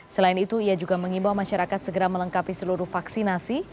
selain itu ia juga mengimbau masyarakat segera melengkapi seluruh vaksinasi